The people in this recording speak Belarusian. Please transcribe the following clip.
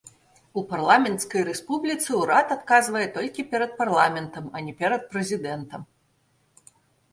У парламенцкай рэспубліцы ўрад адказвае толькі перад парламентам, а не перад прэзідэнтам.